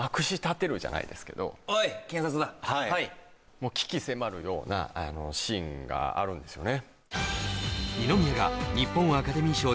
もう鬼気迫るようなあのシーンがあるんですよね